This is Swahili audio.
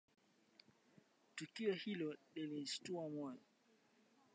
Tukio hilo lilishtua moyo